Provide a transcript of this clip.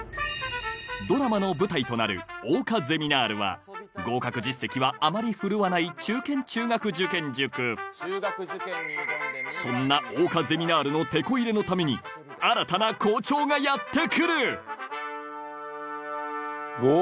ドラマの舞台となる桜花ゼミナールは合格実績はあまり振るわない中堅中学受験塾そんな桜花ゼミナールのてこ入れのためにやって来る！